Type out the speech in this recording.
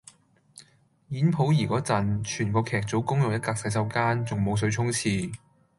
演溥儀個陣，全個劇組公用一格洗手間，仲冇水沖廁